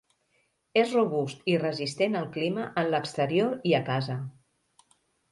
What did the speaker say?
És robust i resistent al clima en l'exterior i a casa.